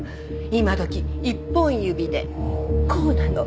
今どき一本指でこうなの。